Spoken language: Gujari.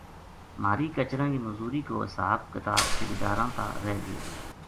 مھاری کچراں کی مزور ی کو حساب کتاب ٹھیکیداراں تا رہ گیو